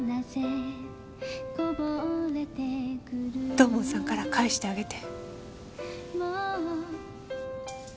土門さんから返してあげて。